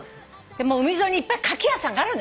海沿いにいっぱいカキ屋さんがあるのよ。